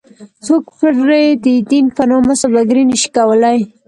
څوک پرې ددین په نامه سوداګري نه شي کولی.